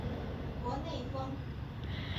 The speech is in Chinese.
博内丰。